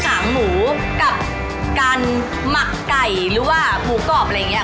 หางหมูกับการหมักไก่หรือว่าหมูกรอบอะไรอย่างเงี้